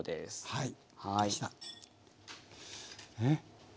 はい。